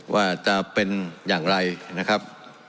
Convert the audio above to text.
ว่าจะมีออกมาเป็นอย่างไรครับ